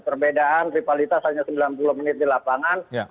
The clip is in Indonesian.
perbedaan rivalitas hanya sembilan puluh menit di lapangan